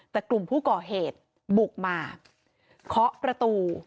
แต่กลุ่มผู้ก่อเหตุบุกมาเคาะประตู